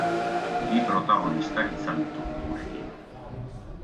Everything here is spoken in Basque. Bi protagonistak izan ditugu gurekin.